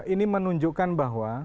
ini menunjukkan bahwa